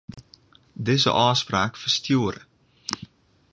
Dizze ôfspraak ferstjoere.